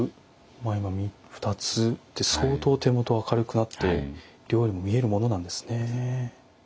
今２つで相当手元が明るくなって料理も見えるものなんですね。